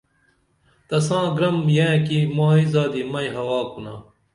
تساں گرم یئں کی مائی زادی مئی ہوا کُنا